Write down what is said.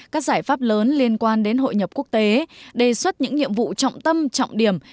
các giải pháp lớn liên quan đến hội nhập quốc tế đề xuất những nhiệm vụ trọng tâm trọng điểm